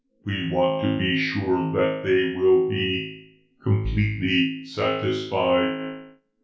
We want to be sure that they will be completely satisfied."